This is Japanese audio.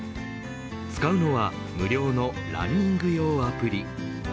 使うのは無料のランニング用アプリ。